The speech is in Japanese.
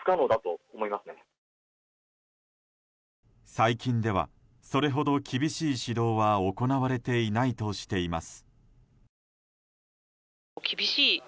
最近ではそれほど厳しい指導は行われていないとしています。